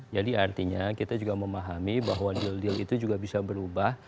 jadi artinya kita juga memahami bahwa deal deal itu juga bisa berubah